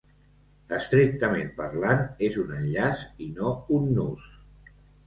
Estrictament parlant és un enllaç i no un nus.